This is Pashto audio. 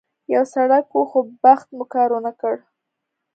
یو سړک و، خو بخت مو کار ونه کړ.